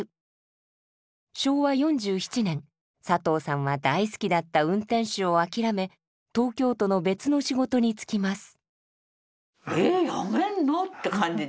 昭和４７年佐藤さんは大好きだった運転手を諦め東京都の別の仕事に就きます。